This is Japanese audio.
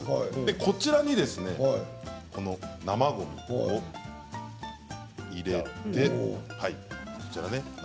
こちらに生ごみを入れて。